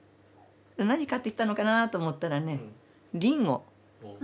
何買ってきたのかなと思ったらねリンゴ。